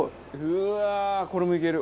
うわーこれもいける。